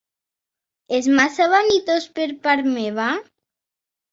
És massa vanitós per part meva?